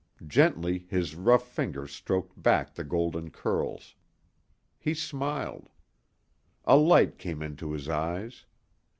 Gently his rough fingers stroked back the golden curls. He smiled. A light came into his eyes.